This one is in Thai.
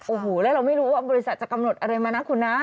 โอ้โหแล้วเราไม่รู้ว่าบริษัทจะกำหนดอะไรมานะคุณนะ